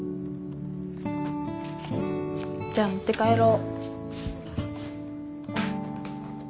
じゃあ持って帰ろ。